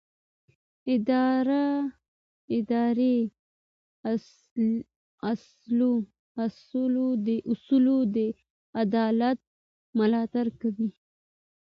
اداري اصول د عدالت ملاتړ کوي.